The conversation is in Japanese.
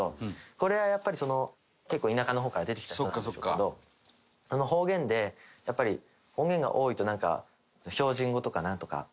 これはやっぱりその結構田舎の方から出てきた人なんですけど方言でやっぱり方言が多いとなんか。